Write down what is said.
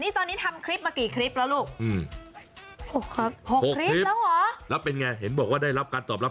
สรรคเป็นอย่างไงนะระบายความตอบครับ